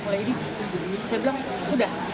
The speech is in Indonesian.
saya bilang sudah